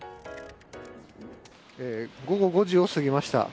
午後５時を過ぎました。